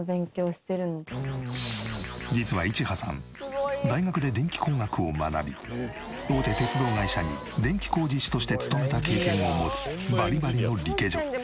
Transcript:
実はいちはさん大学で電気工学を学び大手鉄道会社に電気工事士として勤めた経験を持つバリバリのリケジョ。